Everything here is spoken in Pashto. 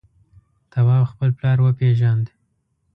تواب خپل پلار وپېژند.